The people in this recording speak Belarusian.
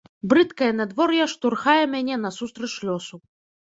Брыдкае надвор'е штурхае мяне насустрач лёсу.